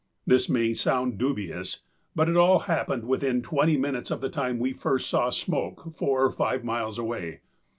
This may sound dubious, but it all happened within twenty minutes of the time we first saw smoke four or five miles away.